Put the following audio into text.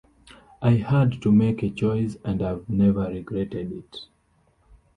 I had to make a choice and I've never regretted it.